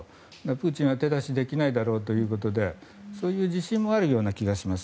プーチンは手出しできないだろうということでそういう自信もあるような気がします。